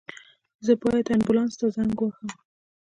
زه باید آنبولاس ته زنګ ووهم